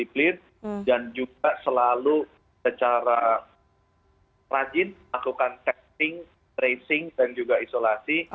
disiplin dan juga selalu secara rajin lakukan testing tracing dan juga isolasi